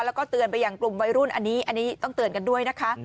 แล้วก็เตือนไปอย่างกลุ่มวัยรุ่นอันนี้อันนี้ต้องเตือนกันด้วยนะคะ